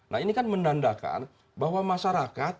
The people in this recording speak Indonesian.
nah ini kan menandakan bahwa masyarakat